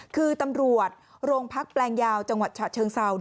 คือตำรวจโรงพักแปลงยาวจังหวัดฉะเชิงเซา